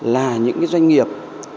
là những cái doanh nghiệp